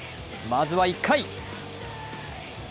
まずは１回。